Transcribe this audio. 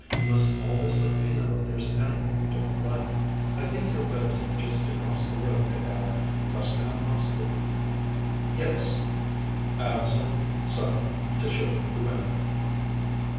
You must always let me know if there's anything you don't like. I think you're billeted just across the road, at our Questerham Hostel?" "Yes." "I'll send some one to show you the way."